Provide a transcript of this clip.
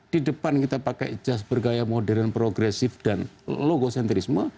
di depan kita pakai jas bergaya modern progresif dan logocentrisme